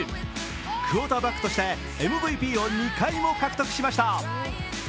クオーターバックとしてＭＶＰを２回も獲得しました。